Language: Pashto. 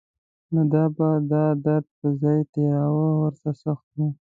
نو ده به دا درد په ځان تېراوه ورته سخت و.